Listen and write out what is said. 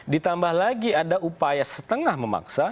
ditambah lagi ada upaya setengah memaksa